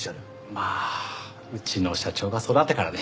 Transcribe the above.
まあうちの社長がそうだったからね。